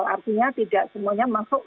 artinya tidak semuanya masuk